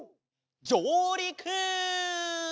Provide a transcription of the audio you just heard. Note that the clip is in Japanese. じょうりく！